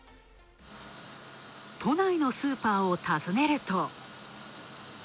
都内のスーパーを訪ねると。